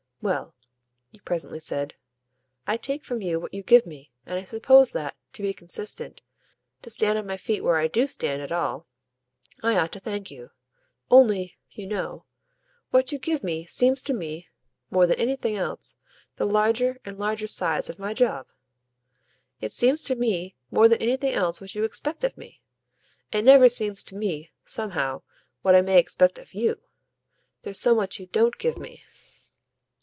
"Well," he presently said, "I take from you what you give me, and I suppose that, to be consistent to stand on my feet where I do stand at all I ought to thank you. Only, you know, what you give me seems to me, more than anything else, the larger and larger size of my job. It seems to me more than anything else what you expect of me. It never seems to me somehow what I may expect of YOU. There's so much you DON'T give me."